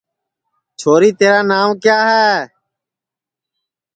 چھوری تیرا ناو کیا ہے